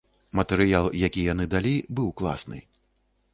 Матэрыял, які яны далі, быў класны.